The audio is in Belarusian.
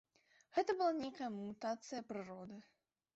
Гэта была нейкая мутацыя прыроды.